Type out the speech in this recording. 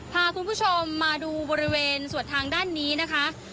พาคุณผู้ชมมาดูบริเวณส่วนทางด้านนี้นะคะ